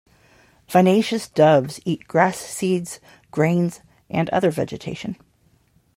Vinaceous doves eat grass seeds, grains and other vegetation.